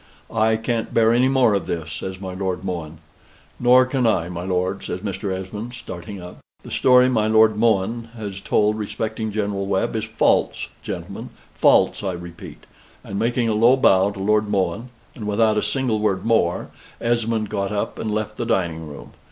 "I can't bear any more of this," says my Lord Mohun. "Nor can I, my lord," says Mr. Esmond, starting up. "The story my Lord Mohun has told respecting General Webb is false, gentlemen false, I repeat," and making a low bow to Lord Mohun, and without a single word more, Esmond got up and left the dining room.